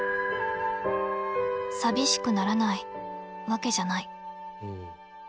寂しくならないわけじゃない。